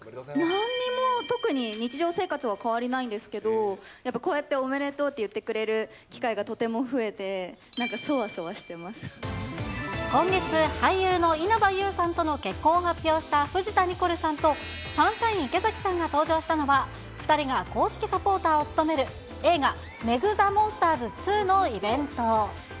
なんにも、特に日常生活は変わりないんですけど、やっぱこうやっておめでとうって言ってくれる機会がとても増えて、今月、俳優の稲葉友さんとの結婚を発表した、藤田ニコルさんと、サンシャイン池崎さんが登場したのは、２人が公式サポーターを務める映画、メグ・ザ・モンスターズ２のイベント。